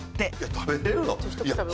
食べれるの？